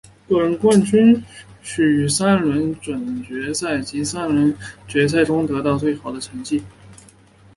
个人冠军需于三轮准决赛及三轮决赛中得到最好的成绩。